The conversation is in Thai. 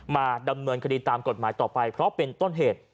มาดำเนินคดีตามกฎหมายต่อไปเพราะเป็นต้นเหตุ